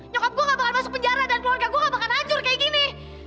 nyokap gue nggak bakal masuk penjara dan keluarga gue nggak bakal hancur kayak gini